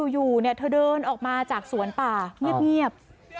อยู่เธอเดินออกมาจากสวนป่าเงียบ